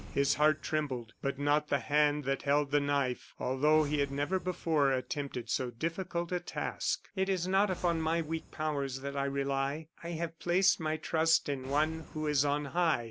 His heart trembled, but not the hand that held the knife, although he had never before attempted so difficult a task. "It is not upon my weak powers that I rely: I have placed my trust in One who is on High."